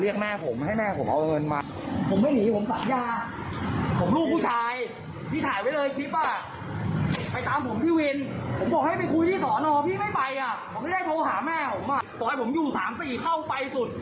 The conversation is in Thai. พี่ไม่ไปอ่ะผมก็ได้โทรหาแม่ผมป่ะซอยผมอยู่สามสี่เข้าไปสุด